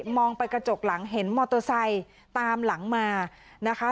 มองไปกระจกหลังเห็นมอเตอร์ไซค์ตามหลังมานะคะ